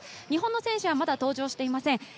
日本の選手はまだ登場していません。